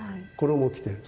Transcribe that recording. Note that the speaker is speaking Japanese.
衣着てる。